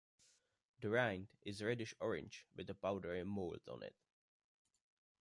The rind is reddish-orange with a powdery mould on it.